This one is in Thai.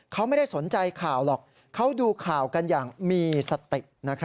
เขาไม่ได้สนใจข่าวหรอกเขาดูข่าวกันอย่างมีสติ